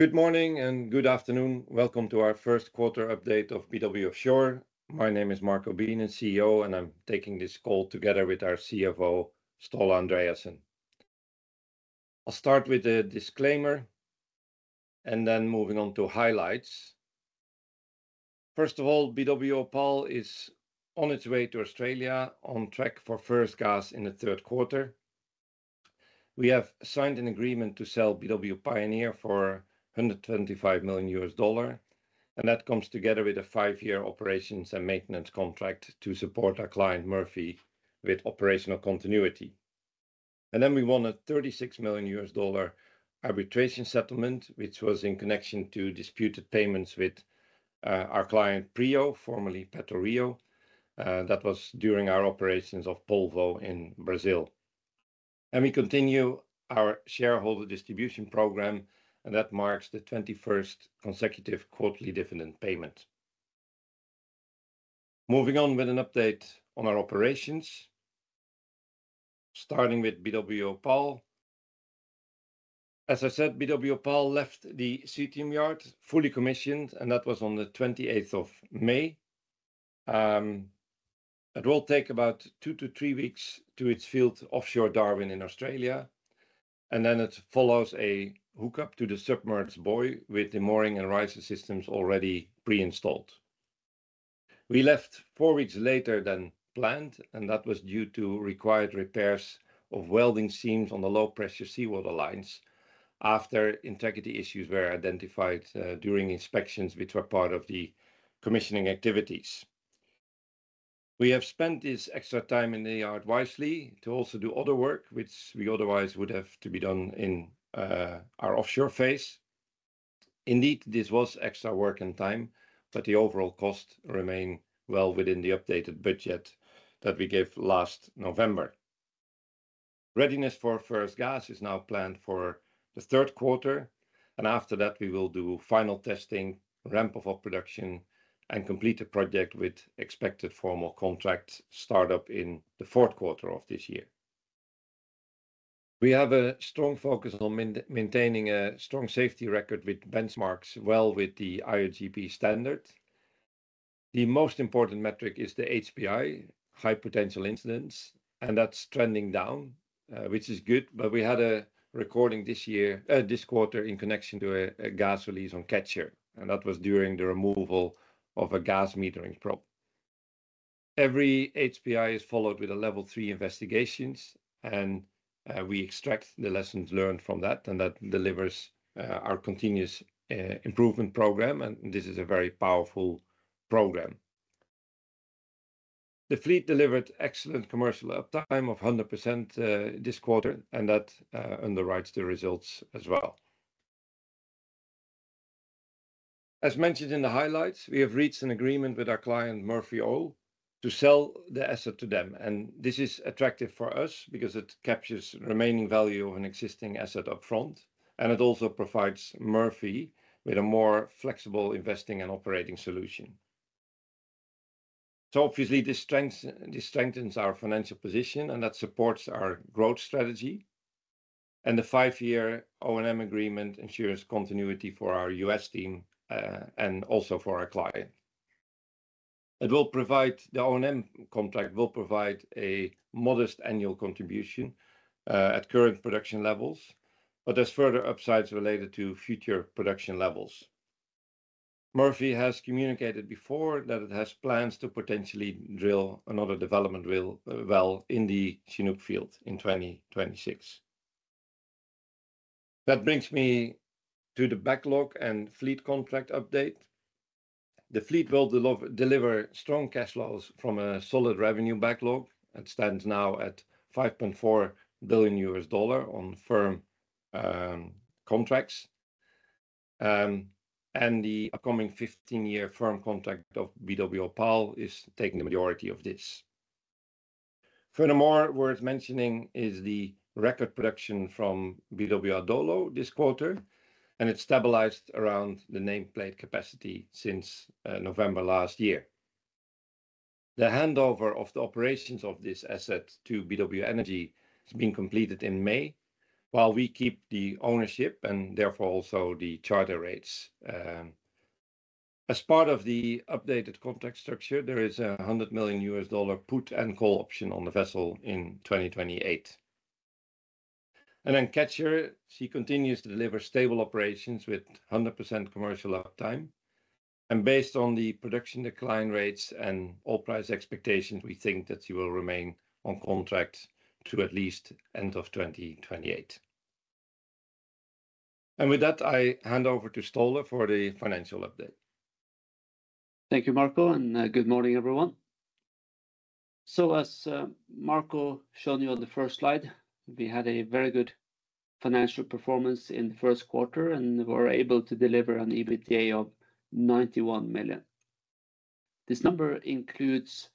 Good morning and good afternoon. Welcome to our first quarter update of BW Offshore. My name is Marco Beenen, CEO, and I'm taking this call together with our CFO, Ståle Andreassen. I'll start with a disclaimer and then move on to highlights. First of all, BW Opal is on its way to Australia, on track for first gas in the third quarter. We have signed an agreement to sell BW Pioneer for $125 million, and that comes together with a five-year operations and maintenance contract to support our client, Murphy, with operational continuity. We won a $36 million arbitration settlement, which was in connection to disputed payments with our client, Prio, formerly Petro Rio. That was during our operations of Polvo in Brazil. We continue our shareholder distribution program, and that marks the 21st consecutive quarterly dividend payment. Moving on with an update on our operations, starting with BW Opal. As I said, BW Opal left the CTM yard fully commissioned, and that was on the 28th of May. It will take about two to three weeks to its field offshore Darwin in Australia, and then it follows a hookup to the submerged buoy with the mooring and riser systems already pre-installed. We left four weeks later than planned, and that was due to required repairs of welding seams on the low-pressure seawater lines after integrity issues were identified during inspections, which were part of the commissioning activities. We have spent this extra time in the yard wisely to also do other work, which we otherwise would have to be done in our offshore phase. Indeed, this was extra work and time, but the overall cost remained well within the updated budget that we gave last November. Readiness for first gas is now planned for the third quarter, and after that, we will do final testing, ramp up of production, and complete the project with expected formal contract startup in the fourth quarter of this year. We have a strong focus on maintaining a strong safety record which benchmarks well with the IOGP standard. The most important metric is the HPI, high potential incidents, and that's trending down, which is good, but we had a recording this year, this quarter, in connection to a gas release on Catcher, and that was during the removal of a gas metering probe. Every HPI is followed with a level three investigation, and we extract the lessons learned from that, and that delivers our continuous improvement program, and this is a very powerful program. The fleet delivered excellent commercial uptime of 100% this quarter, and that underwrites the results as well. As mentioned in the highlights, we have reached an agreement with our client, Murphy Oil, to sell the asset to them, and this is attractive for us because it captures the remaining value of an existing asset upfront, and it also provides Murphy with a more flexible investing and operating solution. Obviously, this strengthens our financial position, and that supports our growth strategy, and the five-year O&M agreement ensures continuity for our U.S. team and also for our client. The O&M contract will provide a modest annual contribution at current production levels, but there are further upsides related to future production levels. Murphy has communicated before that it has plans to potentially drill another development well in the Chinook field in 2026. That brings me to the backlog and fleet contract update. The fleet will deliver strong cash flows from a solid revenue backlog. It stands now at $5.4 billion on firm contracts, and the upcoming 15-year firm contract of BW Opal is taking the majority of this. Furthermore, worth mentioning is the record production from BW Adolo this quarter, and it has stabilized around the nameplate capacity since November last year. The handover of the operations of this asset to BW Energy has been completed in May, while we keep the ownership and therefore also the charter rates. As part of the updated contract structure, there is a $100 million put and call option on the vessel in 2028. Catcher, she continues to deliver stable operations with 100% commercial uptime, and based on the production decline rates and oil price expectations, we think that she will remain on contract to at least end of 2028. With that, I hand over to Ståle for the financial update. Thank you, Marco, and good morning, everyone. As Marco showed you on the first slide, we had a very good financial performance in the first quarter, and we were able to deliver an EBITDA of $91 million. This number includes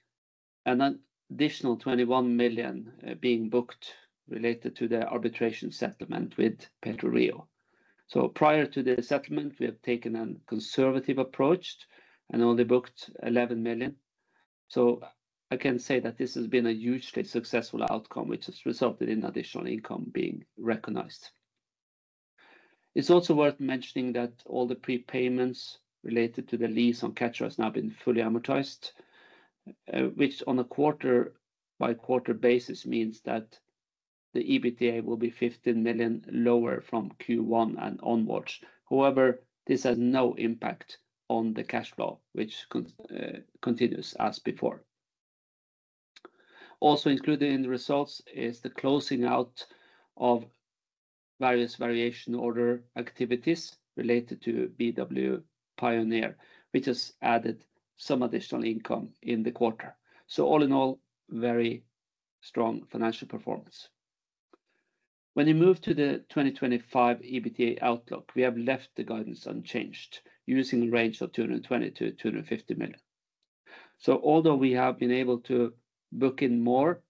an additional $21 million being booked related to the arbitration settlement with Prio. Prior to the settlement, we have taken a conservative approach and only booked $11 million. I can say that this has been a hugely successful outcome, which has resulted in additional income being recognized. It's also worth mentioning that all the prepayments related to the lease on Catcher have now been fully amortized, which on a quarter-by-quarter basis means that the EBITDA will be $15 million lower from Q1 and onwards. However, this has no impact on the cash flow, which continues as before. Also included in the results is the closing out of various variation order activities related to BW Pioneer, which has added some additional income in the quarter. All in all, very strong financial performance. When you move to the 2025 EBITDA outlook, we have left the guidance unchanged, using a range of $220-$250 million. Although we have been able to book in more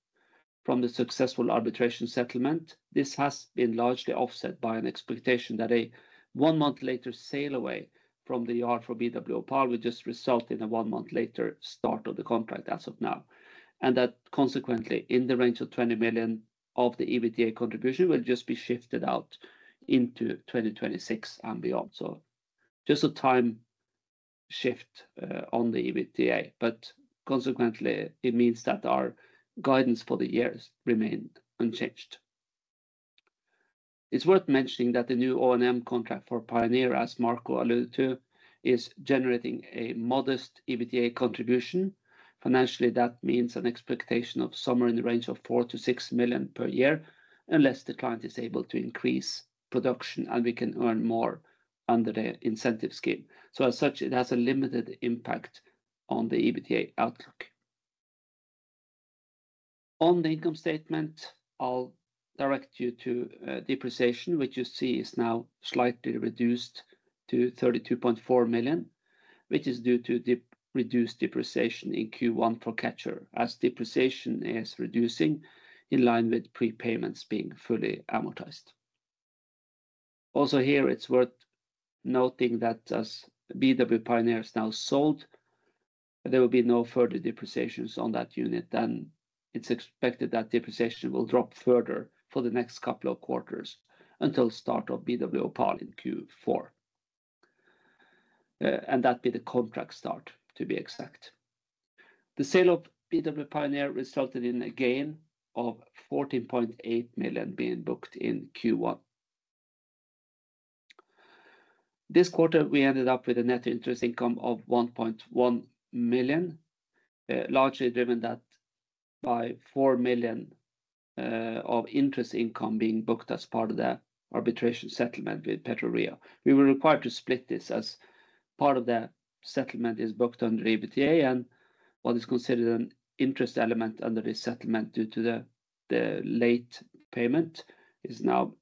from the successful arbitration settlement, this has been largely offset by an expectation that a one-month-later sail away from the yard for BW Opal would just result in a one-month-later start of the contract as of now. Consequently, in the range of $20 million of the EBITDA contribution will just be shifted out into 2026 and beyond. Just a time shift on the EBITDA, but consequently, it means that our guidance for the years remained unchanged. It's worth mentioning that the new O&M contract for Pioneer, as Marco alluded to, is generating a modest EBITDA contribution. Financially, that means an expectation of somewhere in the range of $4-$6 million per year, unless the client is able to increase production and we can earn more under the incentive scheme. As such, it has a limited impact on the EBITDA outlook. On the income statement, I'll direct you to depreciation, which you see is now slightly reduced to $32.4 million, which is due to the reduced depreciation in Q1 for Catcher, as depreciation is reducing in line with prepayments being fully amortized. Also here, it's worth noting that as BW Pioneer is now sold, there will be no further depreciations on that unit, and it's expected that depreciation will drop further for the next couple of quarters until the start of BW Opal in Q4. That'd be the contract start, to be exact. The sale of BW Pioneer resulted in a gain of $14.8 million being booked in Q1. This quarter, we ended up with a net interest income of $1.1 million, largely driven by $4 million of interest income being booked as part of the arbitration settlement with Prio. We were required to split this as part of the settlement is booked under EBITDA, and what is considered an interest element under this settlement due to the late payment is now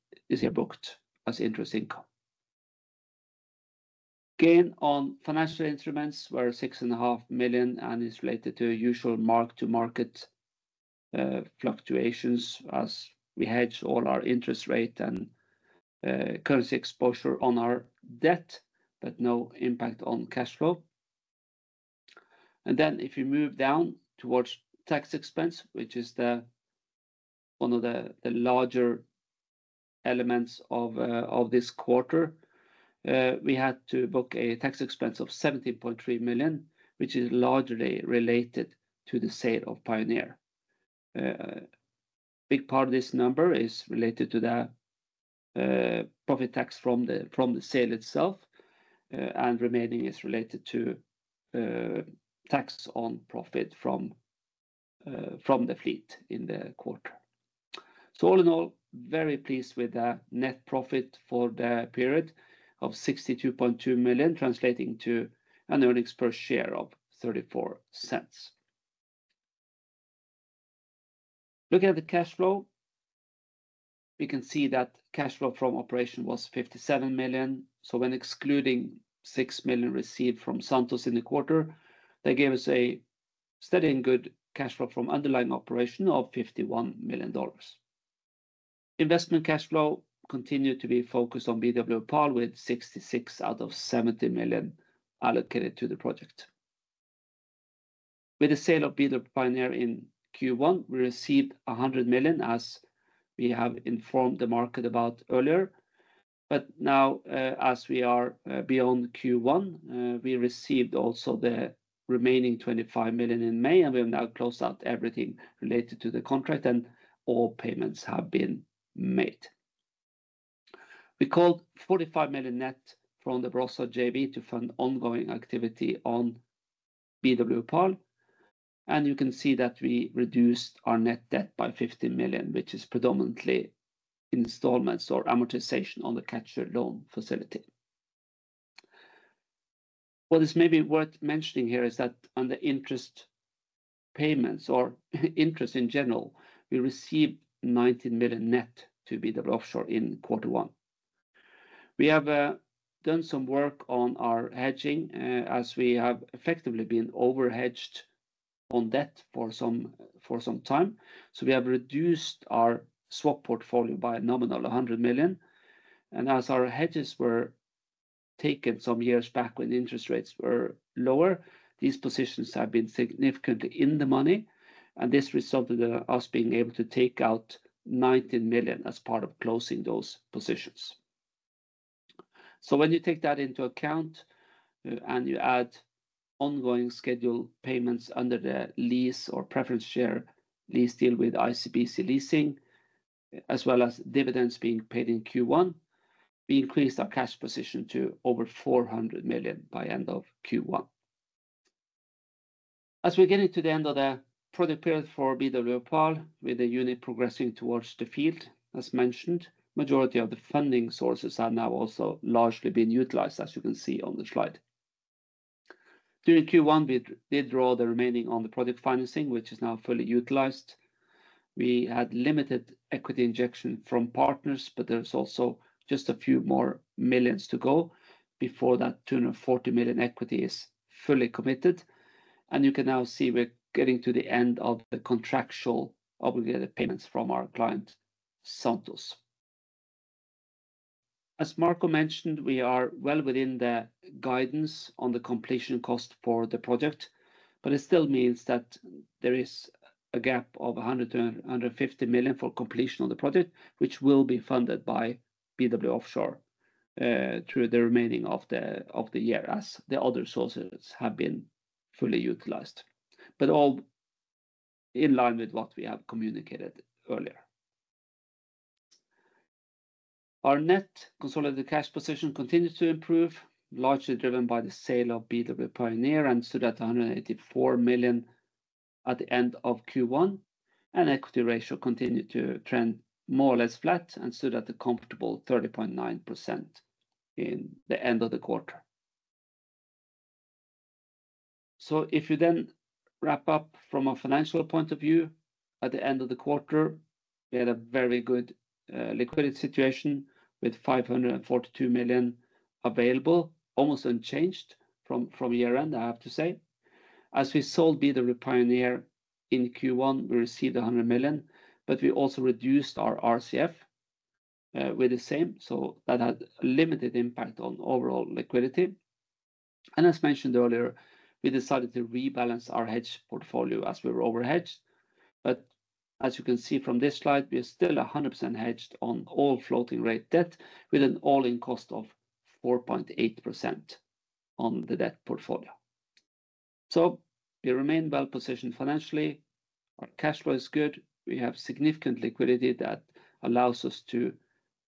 booked as interest income. Gain on financial instruments was $6.5 million, and it's related to usual mark-to-market fluctuations as we hedged all our interest rate and currency exposure on our debt, but no impact on cash flow. If you move down towards tax expense, which is one of the larger elements of this quarter, we had to book a tax expense of $17.3 million, which is largely related to the sale of Pioneer. A big part of this number is related to the profit tax from the sale itself, and remaining is related to tax on profit from the fleet in the quarter. All in all, very pleased with the net profit for the period of $62.2 million, translating to an earnings per share of $0.34. Looking at the cash flow, we can see that cash flow from operation was $57 million. When excluding $6 million received from Santos in the quarter, that gave us a steady and good cash flow from underlying operation of $51 million. Investment cash flow continued to be focused on BW Opal with $66 million out of $70 million allocated to the project. With the sale of BW Pioneer in Q1, we received $100 million, as we have informed the market about earlier. Now, as we are beyond Q1, we received also the remaining $25 million in May, and we have now closed out everything related to the contract, and all payments have been made. We called $45 million net from the Browser JV to fund ongoing activity on BW Opal, and you can see that we reduced our net debt by $15 million, which is predominantly installments or amortization on the Catcher loan facility. What is maybe worth mentioning here is that under interest payments or interest in general, we received $19 million net to BW Offshore in quarter one. We have done some work on our hedging as we have effectively been overhedged on debt for some time. We have reduced our swap portfolio by a nominal of $100 million. As our hedges were taken some years back when interest rates were lower, these positions have been significantly in the money, and this resulted in us being able to take out $19 million as part of closing those positions. When you take that into account and you add ongoing scheduled payments under the lease or preference share lease deal with ICBC Leasing, as well as dividends being paid in Q1, we increased our cash position to over $400 million by end of Q1. As we're getting to the end of the project period for BW Opal, with the unit progressing towards the field, as mentioned, the majority of the funding sources are now also largely being utilized, as you can see on the slide. During Q1, we did draw the remaining on the project financing, which is now fully utilized. We had limited equity injection from partners, but there's also just a few more millions to go before that $240 million equity is fully committed. You can now see we're getting to the end of the contractual obligated payments from our client, Santos. As Marco mentioned, we are well within the guidance on the completion cost for the project, but it still means that there is a gap of $100-$150 million for completion of the project, which will be funded by BW Offshore through the remaining of the year, as the other sources have been fully utilized. All in line with what we have communicated earlier. Our net consolidated cash position continues to improve, largely driven by the sale of BW Pioneer and stood at $184 million at the end of Q1. Equity ratio continued to trend more or less flat and stood at a comfortable 30.9% in the end of the quarter. If you then wrap up from a financial point of view, at the end of the quarter, we had a very good liquidity situation with $542 million available, almost unchanged from year-end, I have to say. As we sold BW Pioneer in Q1, we received $100 million, but we also reduced our RCF with the same, so that had a limited impact on overall liquidity. As mentioned earlier, we decided to rebalance our hedge portfolio as we were overhedged. As you can see from this slide, we are still 100% hedged on all floating-rate debt with an all-in cost of 4.8% on the debt portfolio. We remain well-positioned financially. Our cash flow is good. We have significant liquidity that allows us to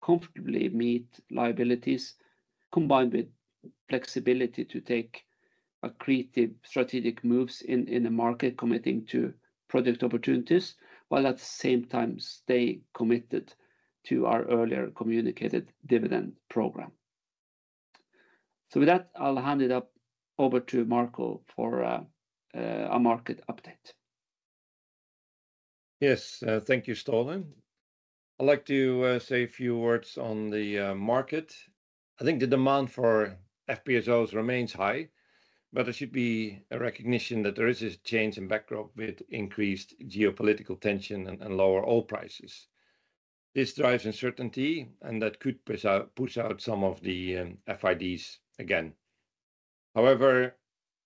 comfortably meet liabilities, combined with flexibility to take creative strategic moves in the market, committing to project opportunities, while at the same time stay committed to our earlier communicated dividend program. With that, I'll hand it over to Marco for a market update. Yes, thank you, Ståle. I'd like to say a few words on the market. I think the demand for FPSOs remains high, but there should be a recognition that there is a change in backdrop with increased geopolitical tension and lower oil prices. This drives uncertainty, and that could push out some of the FIDs again. However,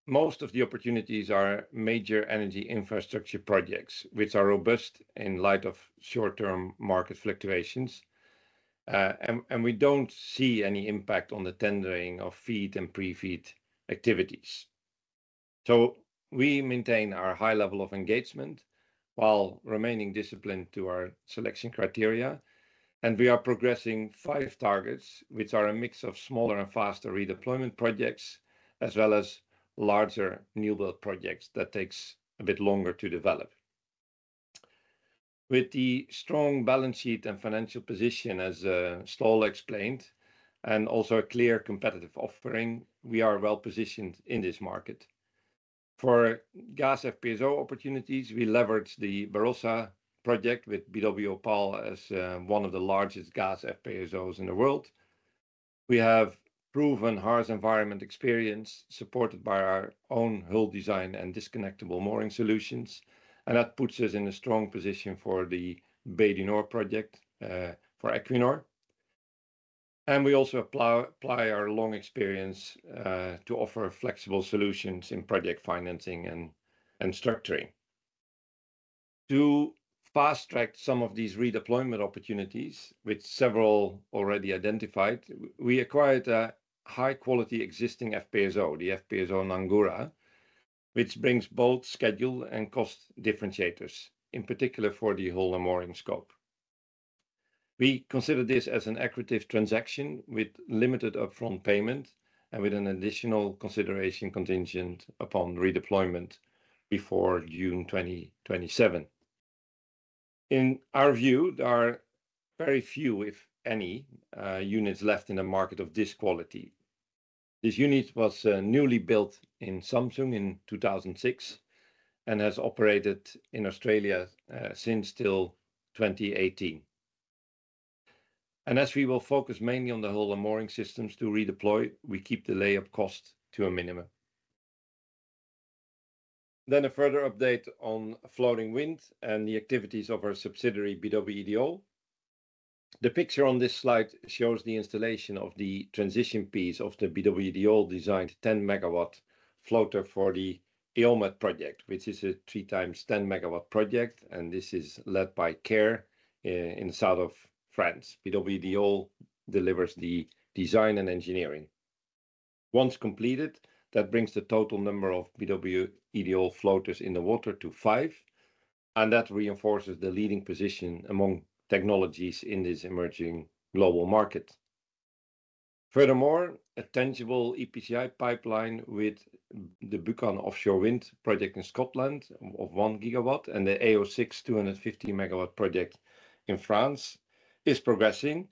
most of the opportunities are major energy infrastructure projects, which are robust in light of short-term market fluctuations. We do not see any impact on the tendering of feed and pre-feed activities. We maintain our high level of engagement while remaining disciplined to our selection criteria. We are progressing five targets, which are a mix of smaller and faster redeployment projects, as well as larger new build projects that take a bit longer to develop. With the strong balance sheet and financial position, as Ståle explained, and also a clear competitive offering, we are well-positioned in this market. For gas FPSO opportunities, we leverage the Browser project with BW Opal as one of the largest gas FPSOs in the world. We have proven harsh environment experience supported by our own hull design and disconnectable mooring solutions. That puts us in a strong position for the BADE Nord project for Equinor. We also apply our long experience to offer flexible solutions in project financing and structuring. To fast-track some of these redeployment opportunities, with several already identified, we acquired a high-quality existing FPSO, the FPSO Nangkula, which brings both schedule and cost differentiators, in particular for the whole mooring scope. We consider this as an accurate transaction with limited upfront payment and with an additional consideration contingent upon redeployment before June 2027. In our view, there are very few, if any, units left in the market of this quality. This unit was newly built in Samsung in 2006 and has operated in Australia since till 2018. As we will focus mainly on the whole mooring systems to redeploy, we keep the layup cost to a minimum. A further update on floating wind and the activities of our subsidiary BW EDO. The picture on this slide shows the installation of the transition piece of the BW EDO designed 10 megawatt floater for the EOMET project, which is a three times 10 megawatt project, and this is led by CAIR in the south of France. BW EDO delivers the design and engineering. Once completed, that brings the total number of BW EDO floaters in the water to five, and that reinforces the leading position among technologies in this emerging global market. Furthermore, a tangible EPCI pipeline with the Buchan Offshore Wind project in Scotland of 1 gigawatt and the AO6 250 megawatt project in France is progressing,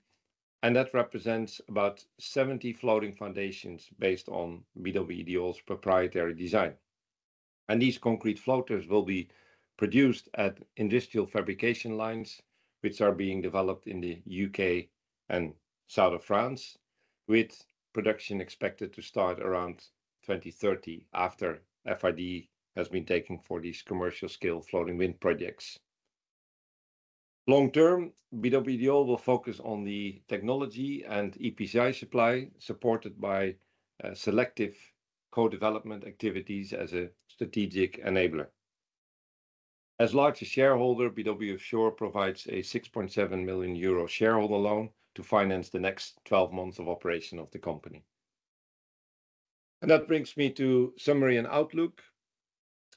and that represents about 70 floating foundations based on BW EDO's proprietary design. These concrete floaters will be produced at industrial fabrication lines, which are being developed in the U.K. and south of France, with production expected to start around 2030 after FID has been taken for these commercial-scale floating wind projects. Long term, BW EDO will focus on the technology and EPCI supply supported by selective co-development activities as a strategic enabler. As a larger shareholder, BW Offshore provides a 6.7 million euro shareholder loan to finance the next 12 months of operation of the company. That brings me to summary and outlook.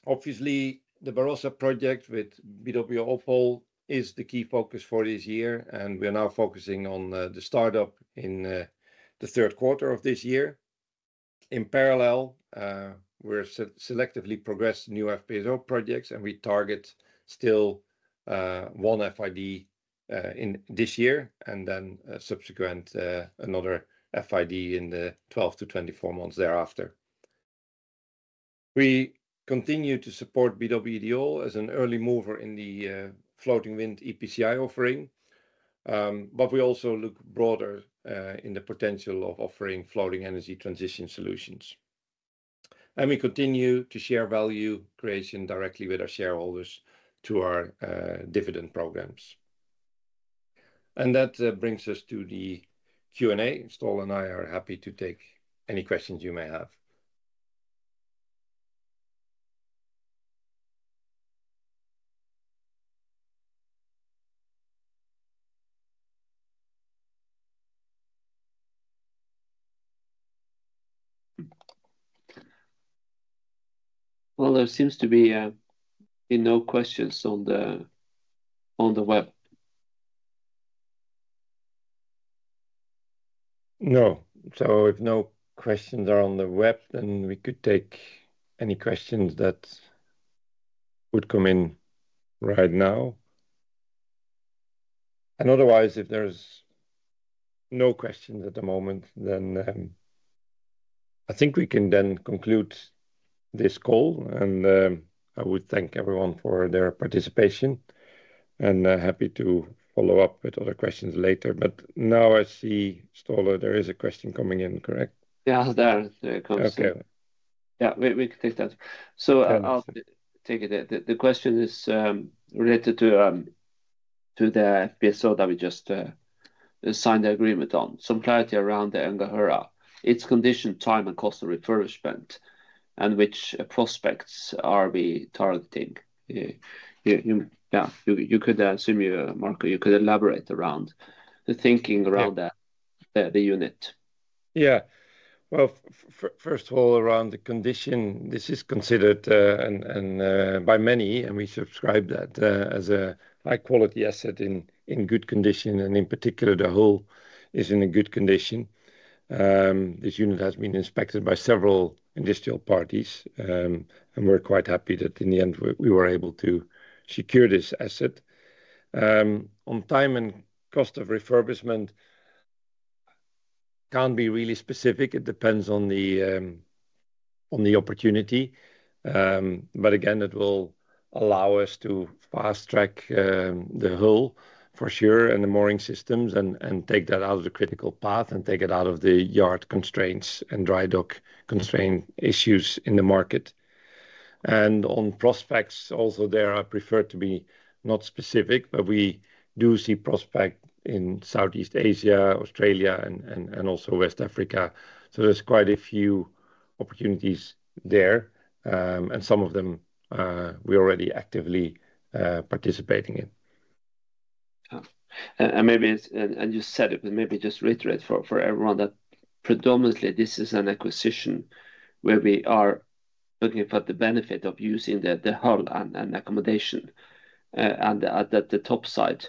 Obviously, the Browser project with BW Opal is the key focus for this year, and we are now focusing on the startup in the third quarter of this year. In parallel, we're selectively progressing new FPSO projects, and we target still one FID this year and then subsequent another FID in the 12-24 months thereafter. We continue to support BW EDO as an early mover in the floating wind EPCI offering, but we also look broader in the potential of offering floating energy transition solutions. We continue to share value creation directly with our shareholders through our dividend programs. That brings us to the Q&A. Ståle and I are happy to take any questions you may have. There seems to be no questions on the web. No. If no questions are on the web, then we could take any questions that would come in right now. Otherwise, if there is no questions at the moment, then I think we can then conclude this call. I would thank everyone for their participation and happy to follow up with other questions later. Now I see, Ståle, there is a question coming in, correct? Yeah, there it comes. Okay. Yeah, we can take that. I'll take it. The question is related to the FPSO that we just signed the agreement on. Some clarity around the Nganhurra, its condition, time, and cost of refurbishment, and which prospects are we targeting. You could assume, Marco, you could elaborate around the thinking around the unit. Yeah. First of all, around the condition, this is considered by many, and we subscribe that as a high-quality asset in good condition, and in particular, the hull is in good condition. This unit has been inspected by several industrial parties, and we're quite happy that in the end, we were able to secure this asset. On time and cost of refurbishment, can't be really specific. It depends on the opportunity. Again, it will allow us to fast-track the hull for sure and the mooring systems and take that out of the critical path and take it out of the yard constraints and dry dock constraint issues in the market. On prospects also, I prefer to be not specific, but we do see prospects in Southeast Asia, Australia, and also West Africa. There are quite a few opportunities there, and some of them we're already actively participating in. Maybe, and you said it, but maybe just reiterate for everyone that predominantly this is an acquisition where we are looking for the benefit of using the hull and accommodation, and that the top side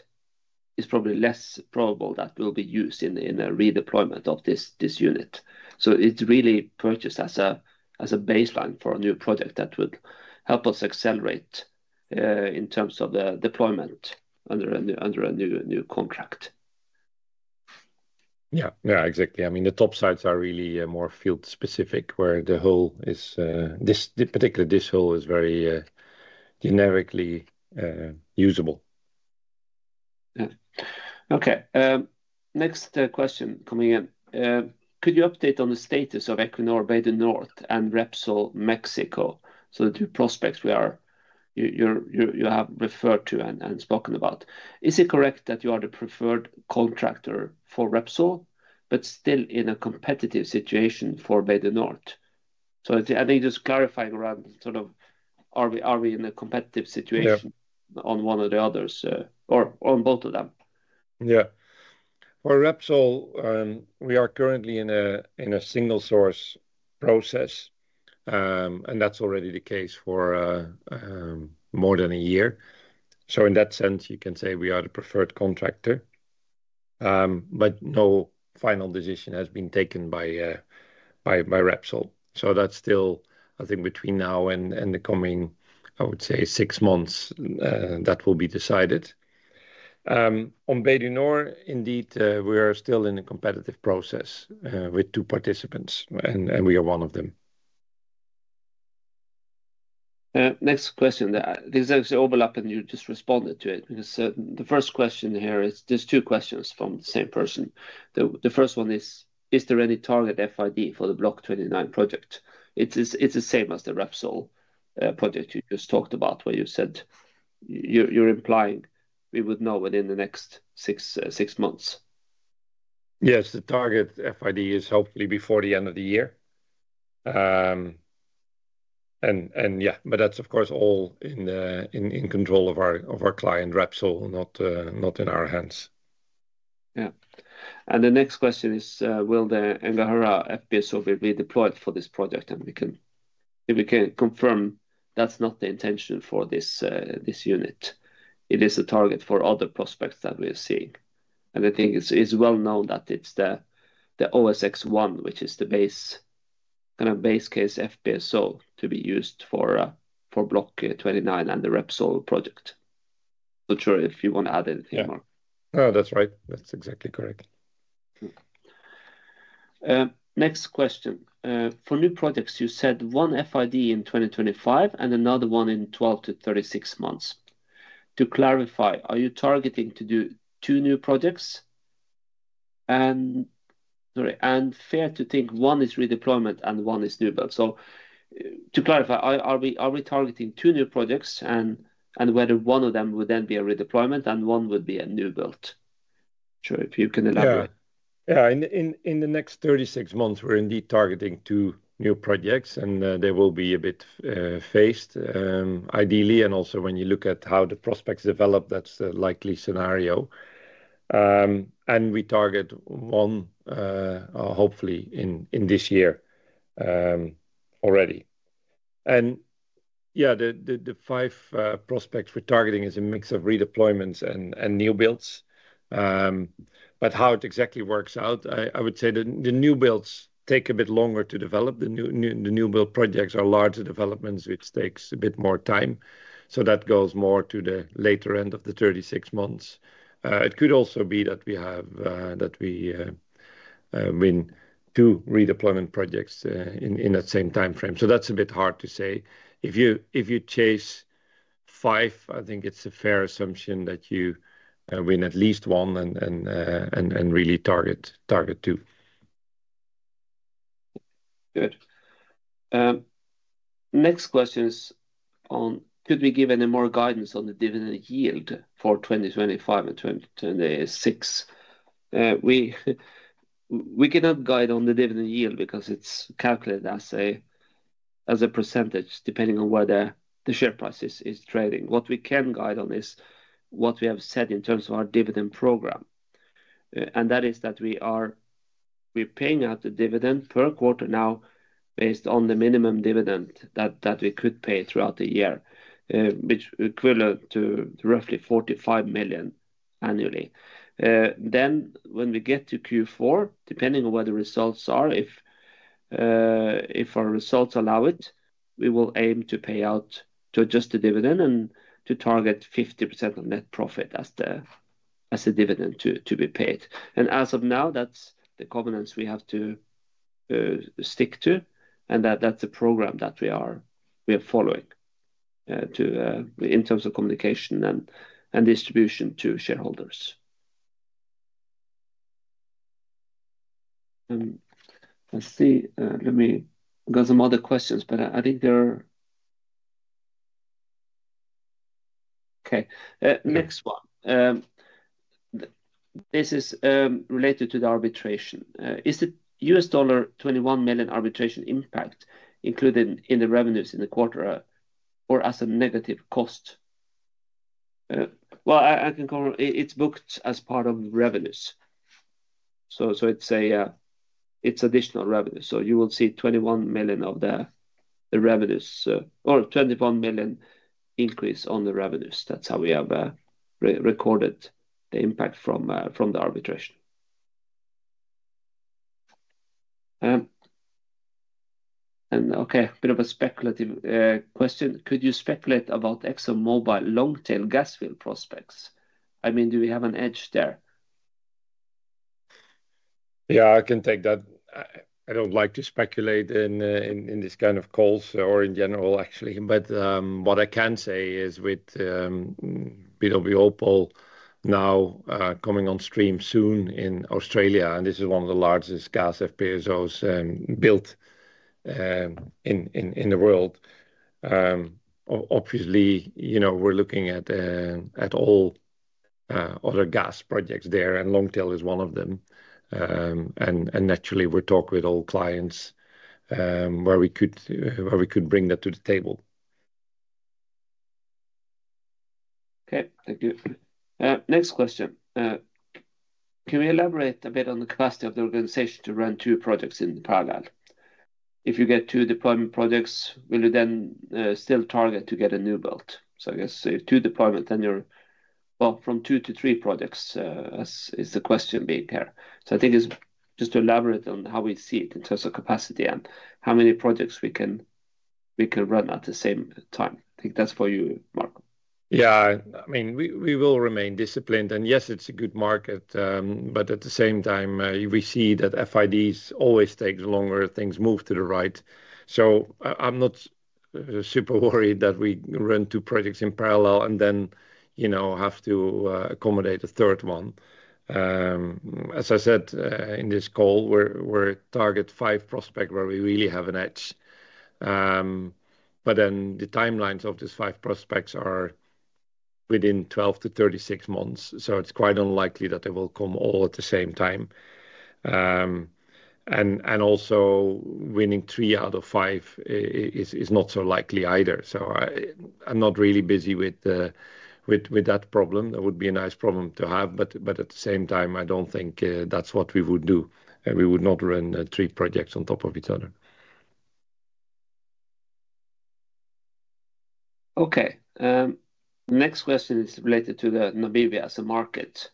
is probably less probable that will be used in a redeployment of this unit. It is really purchased as a baseline for a new project that would help us accelerate in terms of the deployment under a new contract. Yeah, yeah, exactly. I mean, the top sides are really more field-specific where the hull is, particularly this hull, is very generically usable. Okay. Next question coming in. Could you update on the status of Equinor BADE Nord and Repsol Mexico? So the two prospects you have referred to and spoken about, is it correct that you are the preferred contractor for Repsol, but still in a competitive situation for BADE Nord? I think just clarifying around sort of are we in a competitive situation on one or the other or on both of them? Yeah. For Repsol, we are currently in a single-source process, and that's already the case for more than a year. In that sense, you can say we are the preferred contractor, but no final decision has been taken by Repsol. That's still, I think, between now and the coming, I would say, six months, that will be decided. On BADE Nord, indeed, we are still in a competitive process with two participants, and we are one of them. Next question. This is actually overlapping, and you just responded to it. The first question here is there's two questions from the same person. The first one is, is there any target FID for the Block 29 project? It's the same as the Repsol project you just talked about where you said you're implying we would know within the next six months. Yes, the target FID is hopefully before the end of the year. Yeah, but that's, of course, all in control of our client, Repsol, not in our hands. Yeah. The next question is, will the Nganhurra FPSO be redeployed for this project? We can confirm that's not the intention for this unit. It is a target for other prospects that we are seeing. I think it's well known that it's the OSX 1, which is the kind of base case FPSO to be used for Block 29 and the Repsol project. Not sure if you want to add anything more. Yeah. No, that's right. That's exactly correct. Next question. For new projects, you said one FID in 2025 and another one in 12-36 months. To clarify, are you targeting to do two new projects? Is it fair to think one is redeployment and one is new build? To clarify, are we targeting two new projects and whether one of them would then be a redeployment and one would be a new build? If you can elaborate. Yeah. Yeah. In the next 36 months, we're indeed targeting two new projects, and they will be a bit phased ideally. Also, when you look at how the prospects develop, that's the likely scenario. We target one, hopefully, in this year already. The five prospects we're targeting is a mix of redeployments and new builds. How it exactly works out, I would say the new builds take a bit longer to develop. The new build projects are larger developments, which takes a bit more time. That goes more to the later end of the 36 months. It could also be that we win two redeployment projects in that same time frame. That's a bit hard to say. If you chase five, I think it's a fair assumption that you win at least one and really target two. Good. Next question is, could we give any more guidance on the dividend yield for 2025 and 2026? We cannot guide on the dividend yield because it's calculated as a percentage depending on where the share price is trading. What we can guide on is what we have said in terms of our dividend program. That is that we are paying out the dividend per quarter now based on the minimum dividend that we could pay throughout the year, which is equivalent to roughly $45 million annually. When we get to Q4, depending on what the results are, if our results allow it, we will aim to pay out to adjust the dividend and to target 50% of net profit as the dividend to be paid. As of now, that's the covenants we have to stick to, and that's a program that we are following in terms of communication and distribution to shareholders. Let me get some other questions, but I think there are. Okay. Next one. This is related to the arbitration. Is the $21 million arbitration impact included in the revenues in the quarter or as a negative cost? I can call it's booked as part of revenues. So it's additional revenue. You will see $21 million of the revenues or $21 million increase on the revenues. That's how we have recorded the impact from the arbitration. Okay, a bit of a speculative question. Could you speculate about ExxonMobil long-tail gas fuel prospects? I mean, do we have an edge there? Yeah, I can take that. I do not like to speculate in this kind of calls or in general, actually. What I can say is with BW Opal now coming on stream soon in Australia, and this is one of the largest gas FPSOs built in the world. Obviously, we are looking at all other gas projects there, and long-tail is one of them. Naturally, we are talking with all clients where we could bring that to the table. Okay. Thank you. Next question. Can we elaborate a bit on the capacity of the organization to run two projects in parallel? If you get two deployment projects, will you then still target to get a new build? I guess two deployments, then you're, from two to three projects is the question being here. I think it's just to elaborate on how we see it in terms of capacity and how many projects we can run at the same time. I think that's for you, Marco. Yeah. I mean, we will remain disciplined. Yes, it's a good market. At the same time, we see that FIDs always take longer, things move to the right. I'm not super worried that we run two projects in parallel and then have to accommodate a third one. As I said in this call, we're targeting five prospects where we really have an edge. The timelines of these five prospects are within 12-36 months. It's quite unlikely that they will come all at the same time. Also, winning three out of five is not so likely either. I'm not really busy with that problem. That would be a nice problem to have. At the same time, I don't think that's what we would do. We would not run three projects on top of each other. Okay. Next question is related to Namibia as a market.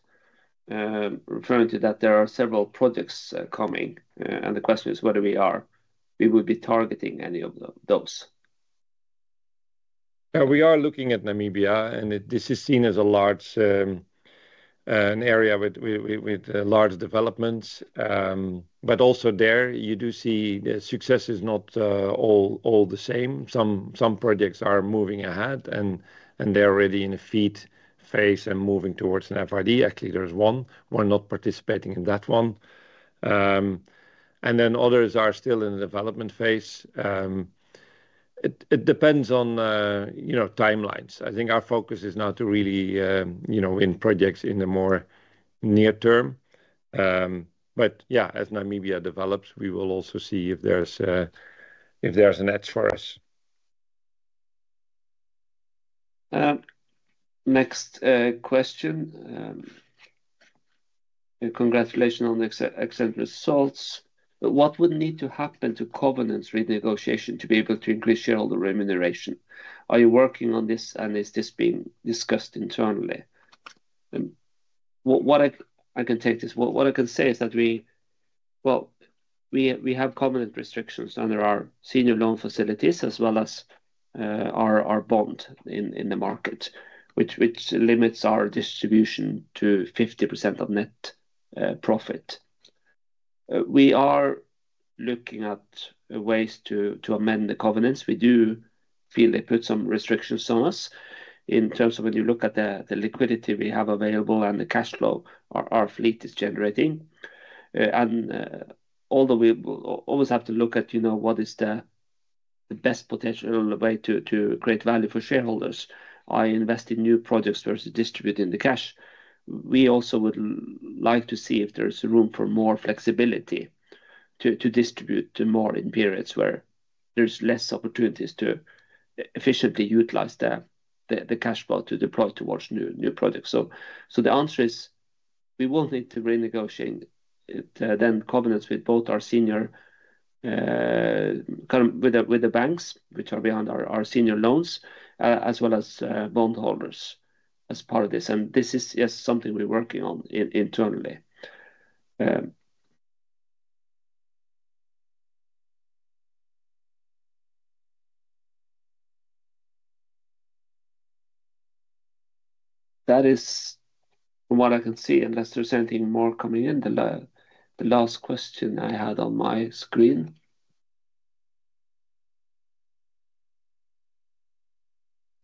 Referring to that, there are several projects coming. The question is whether we would be targeting any of those. We are looking at Namibia, and this is seen as an area with large developments. You do see the success is not all the same. Some projects are moving ahead, and they are already in a feed phase and moving towards an FID. Actually, there is one. We are not participating in that one. Others are still in the development phase. It depends on timelines. I think our focus is now to really win projects in the more near term. As Namibia develops, we will also see if there is an edge for us. Next question. Congratulations on the excellent results. What would need to happen to covenants renegotiation to be able to increase shareholder remuneration? Are you working on this, and is this being discussed internally? What I can say is that we have covenant restrictions under our senior loan facilities as well as our bond in the market, which limits our distribution to 50% of net profit. We are looking at ways to amend the covenants. We do feel they put some restrictions on us in terms of when you look at the liquidity we have available and the cash flow our fleet is generating. Although we always have to look at what is the best potential way to create value for shareholders, I invest in new projects versus distributing the cash. We also would like to see if there's room for more flexibility to distribute more in periods where there's less opportunities to efficiently utilize the cash flow to deploy towards new projects. The answer is we will need to renegotiate the covenants with both our senior banks, which are behind our senior loans, as well as bondholders as part of this. This is, yes, something we're working on internally. That is what I can see. Unless there's anything more coming in, the last question I had on my screen.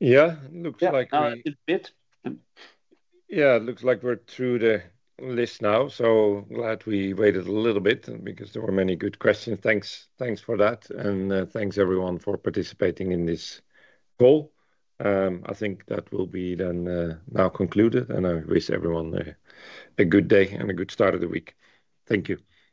Yeah, it looks like we. A little bit. Yeah, it looks like we're through the list now. Glad we waited a little bit because there were many good questions. Thanks for that. Thanks everyone for participating in this call. I think that will be then now concluded, and I wish everyone a good day and a good start of the week. Thank you.